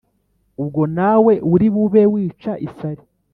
ubwo nawe uri bube wica isari